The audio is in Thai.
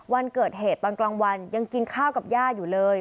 วันเกิดเหตุตอนกลางวันยังกินข้าวกับย่าอยู่เลย